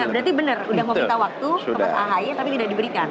berarti benar sudah mau minta waktu ke mas ahy tapi tidak diberikan